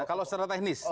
kalau secara teknis